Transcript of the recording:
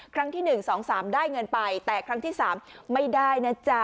ครั้งที่หนึ่งสองสามได้เงินไปแต่ครั้งที่สามไม่ได้นะจ๊ะ